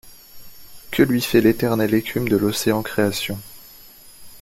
Que lui fait l’éternelle écume De l’océan Création?